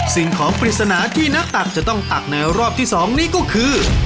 สิ่งของปริศนาที่นักตักจะต้องตักในรอบที่๒นี้ก็คือ